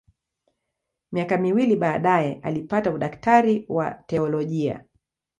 Miaka miwili baadaye alipata udaktari wa teolojia.